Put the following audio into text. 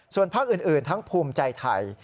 ส่วนภาคอื่นทั้งภูมิใจไทย